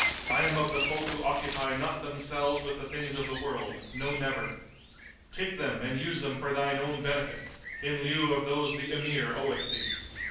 I am of the folk who occupy not themselves with the things of the world, no never! Take them and use them for thine own benefit, in lieu of those the Emir oweth thee."